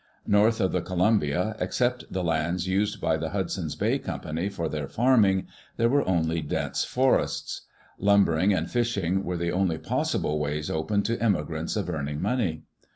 North of the Colum bia, except the lands used by the Hudson's Bay Company for their farming, there were only dense forests. Lum bering and fishing were the only possible ways open to emigrants of earning money.